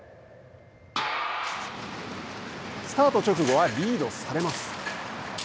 スタート直後はリードされます。